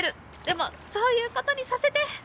でもそういう事にさせて！